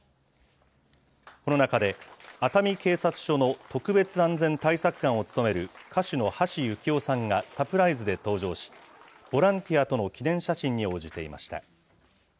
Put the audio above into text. この中で、熱海警察署の特別安全対策監を務める歌手の橋幸夫さんがサプライズで登場し、ボランティアとの記念写真に応じていました。